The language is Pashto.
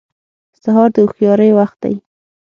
سهار د هوښیارۍ وخت دی.